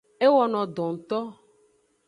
E wono do ngto.